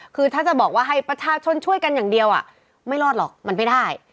คือถ้าจะบอกว่าให้ประชาชนช่วยกันอย่างเดียวไม่รอดหรอกมันไม่ได้